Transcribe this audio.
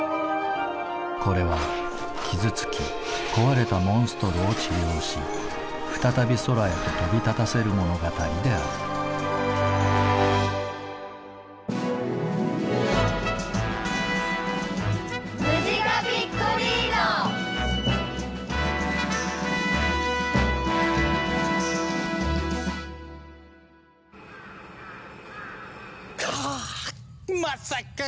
これは傷つき壊れたモンストロを治療し再び空へと飛び立たせる物語であるかぁっまさか